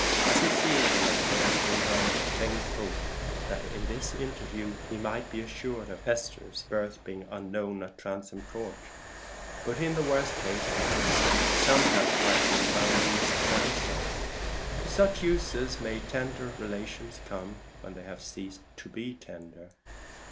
As he sealed the letter, he indulged a faint hope that in this interview he might be assured of Esther's birth being unknown at Transome Court; but in the worst case, perhaps some help might be found in Mrs. Transome. To such uses may tender relations come when they have ceased to be tender!